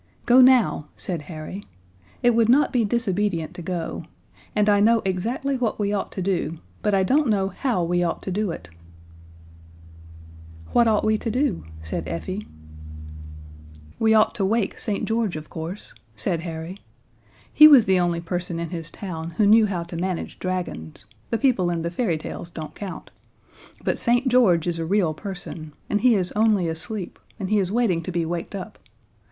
"Go now," said Harry. "It would not be disobedient to go. And I know exactly what we ought to do, but I don't know how we ought to do it." "What ought we to do?" said Effie. "We ought to wake St. George, of course," said Harry. "He was the only person in his town who knew how to manage dragons; the people in the fairy tales don't count. But St. George is a real person, and he is only asleep, and he is waiting to be waked up.